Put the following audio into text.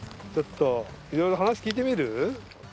ちょっといろいろ話聞いてみる？